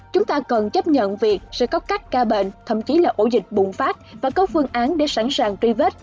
chúng ta cần chấp nhận việc sẽ có các ca bệnh thậm chí là ổ dịch bùng phát và có phương án để sẵn sàng truy vết